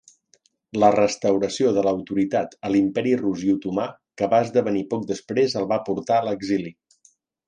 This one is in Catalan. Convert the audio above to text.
La restauració de l'autoritat a l'Imperi rus i otomà que va esdevenir poc després el va portar a l'exili.